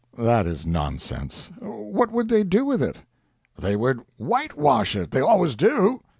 "That is nonsense. What would they do with it?" "They would whitewash it. They always do."